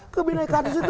kebinaikan di situ